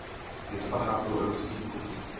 Je třeba hrát hru evropských institucí.